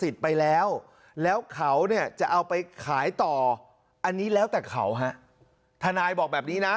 ท่านายบอกแบบนี้นะ